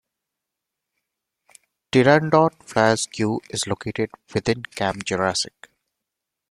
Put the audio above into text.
Pteranodon Flyers' queue is located within Camp Jurassic.